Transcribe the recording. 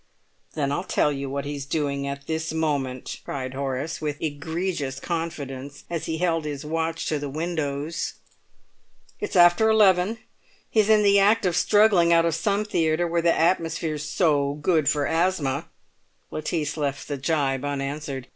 "Then I'll tell you what he's doing at this moment," cried Horace, with egregious confidence, as he held his watch to the windows. "It's after eleven; he's in the act of struggling out of some theatre, where the atmosphere's so good for asthma!" Lettice left the gibe unanswered.